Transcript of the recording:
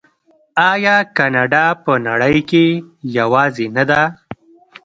آیا کاناډا په نړۍ کې یوازې نه ده؟